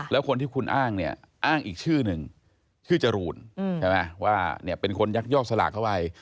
แล้วคนที่คุณอ้างเนี่ยอ้างอีกชื่อหนึ่งชื่อจรูนใช่ไหมว่าเนี่ยเป็นคนยักยอกสลากเข้าไป